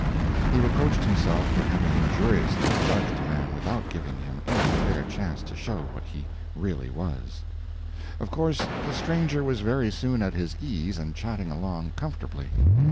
He reproached himself for having injuriously judged a man without giving him any fair chance to show what he really was. p204.jpg (29K) Of course the stranger was very soon at his ease and chatting along comfortably.